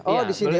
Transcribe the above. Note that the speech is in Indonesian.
oh di sini